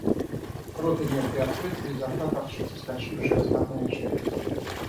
Рот у нее приоткрыт и изо рта торчит соскочившая вставная челюсть.